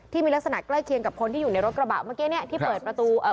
ที่มีลักษณะใกล้เคียงกับคนที่อยู่ในรถกระบะเมื่อกี้เนี้ยที่เปิดประตูเอ่อ